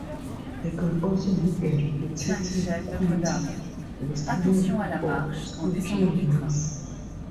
They can also make a repetitive quieter whistling or squeaking noise.